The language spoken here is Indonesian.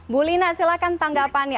bu lina silakan tanggapannya